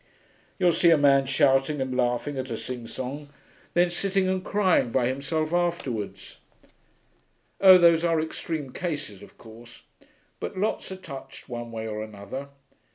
You'll see a man shouting and laughing at a sing song, then sitting and crying by himself afterwards.... Oh, those are extreme cases, of course, but lots are touched one way or another....